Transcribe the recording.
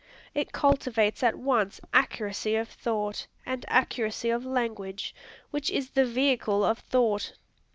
It cultivates at once accuracy of thought, and accuracy of language, which is the vehicle of thought.